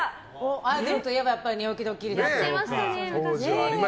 アイドルといえば寝起きドッキリですよね。